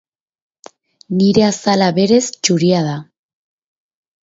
Nire azala berez txuria da.